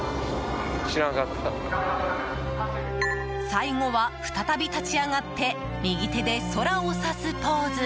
最後は再び立ち上がって右手で空を指すポーズ。